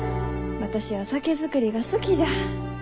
私は酒造りが好きじゃ。